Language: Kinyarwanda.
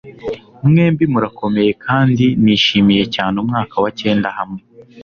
mwembi murakomeye kandi nishimiye cyane umwaka wa cyenda hamwe